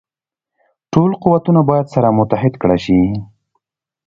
ټول قوتونه باید سره متحد کړه شي.